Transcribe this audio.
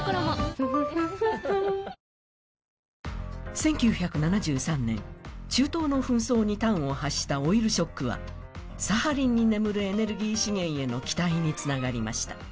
１９７３年、中東の紛争に端を発したオイルショックは、サハリンに眠るエネルギー資源への期待につながりました。